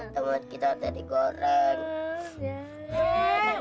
temen kita udah digoreng